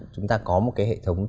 chúng ta có một cái hệ thống